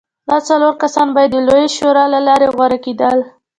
دا څلور کسان بیا د لویې شورا له لارې غوره کېدل.